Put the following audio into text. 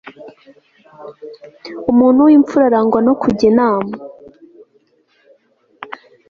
umuntu w'imfura arangwa no kujya inama